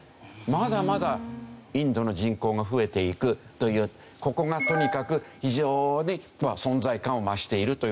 まだまだインドの人口が増えていくというここがとにかく非常に存在感を増しているというわけですね。